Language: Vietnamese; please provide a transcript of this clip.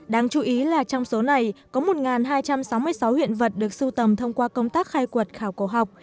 đáng chú ý là trong số này có một hai trăm sáu mươi sáu hiện vật được sưu tầm thông qua công tác khai quật khảo cổ học